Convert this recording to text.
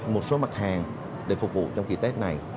một số mặt hàng để phục vụ trong kỳ tết này